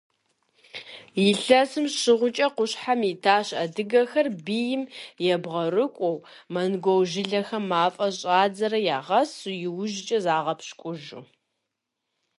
Илъэсым щӏигъукӏэ къущхьэм итащ адыгэхэр, бийм ебгъэрыкӏуэу, монгол жылэхэм мафӏэ щӏадзэрэ ягъэсу, иужькӏэ загъэпщкӏужу.